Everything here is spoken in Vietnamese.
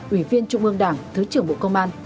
ủy viên trung ương đảng thứ trưởng bộ công an